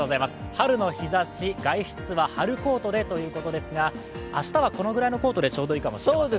春の日ざし、外出は昼コートでということですが、明日はこのぐらいのコートでちょうどいいかもしれませんね。